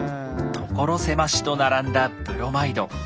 所狭しと並んだブロマイド。